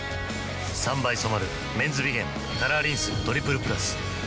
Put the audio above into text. ３倍染まる「メンズビゲンカラーリンストリプルプラス」